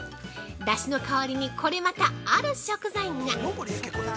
だしの代わりにこれまたある食材が。